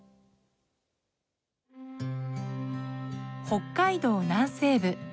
北海道南西部。